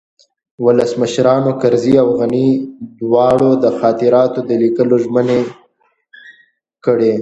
ولسمشرانو کرزي او غني دواړو د خاطراتو د لیکلو ژمني کړې